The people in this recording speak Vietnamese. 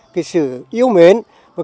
cái sự yêu mến